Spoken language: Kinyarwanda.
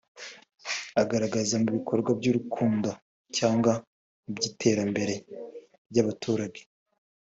agaragara mu bikorwa by’urukundo cyangwa mu by’iterambere ry’abaturage